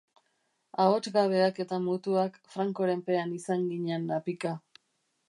Ahots gabeak eta mutuak Francoren pean izan ginen apika.